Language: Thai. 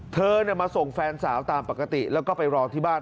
เธอมาส่งแฟนสาวตามปกติแล้วก็ไปรอที่บ้าน